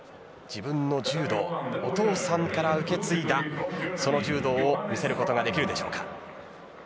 自分の柔道お父さんから受け継いだその柔道を見せることができるでしょうか。